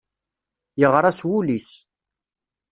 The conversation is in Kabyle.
Yeɣra s wul-is.